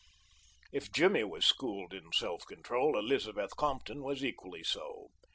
If Jimmy was schooled in self control, Elizabeth Compton was equally so.